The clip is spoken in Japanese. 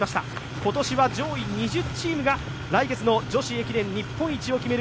今年は上位２０チームが来月の女子駅伝日本一を決める